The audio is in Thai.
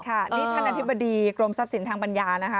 นี่ท่านอธิบดีกรมทรัพย์สินทางปัญญานะคะ